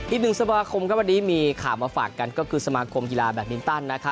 อีฟนึงศัพท์วาคมก็วันนี้มีข่าวมาฝากกันก็คือสมากรมกีฬาแบตมิ้นตันนะคะ